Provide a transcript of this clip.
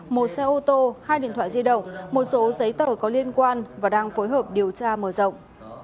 một xe ô tô hai điện thoại di động một số giấy tờ có liên quan và đang phối hợp điều tra mở rộng